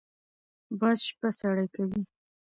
باد شپه سړه کوي